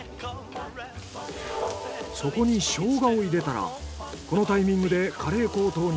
そこにショウガを入れたらこのタイミングでカレー粉を投入。